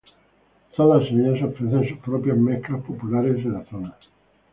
Todas ellas ofrecen sus propias mezclas populares en la zona.